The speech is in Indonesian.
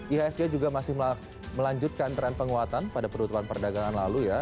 ihsg juga masih melanjutkan tren penguatan pada penutupan perdagangan lalu ya